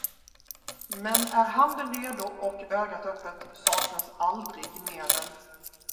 Men är handen redo och ögat öppet, saknas aldrig medel.